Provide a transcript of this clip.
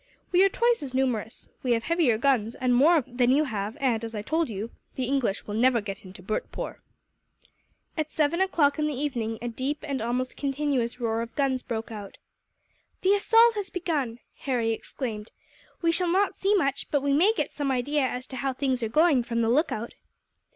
We are twice as numerous. We have heavier guns, and more of them, than you have and, as I told you, the English will never get into Bhurtpoor." At seven o'clock in the evening, a deep and almost continuous roar of guns broke out. "The assault has begun!" Harry exclaimed. "We shall not see much, but we may get some idea as to how things are going from the lookout."